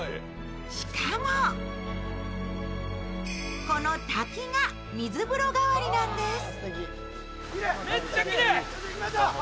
しかもこの滝が水風呂代わりなんです。